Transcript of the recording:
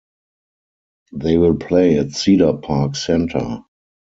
They will play at Cedar Park Center.